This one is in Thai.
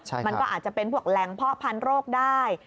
มันก็อาจจะเป็นพวกแรงพ่อพันธุ์โรคได้